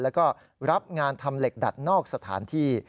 แล้วก็รับงานทำเหล็กดัดนอกสถานที่